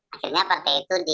akhirnya partai itu di ms kan